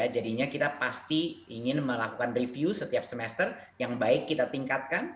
jadinya kita pasti ingin melakukan review setiap semester yang baik kita tingkatkan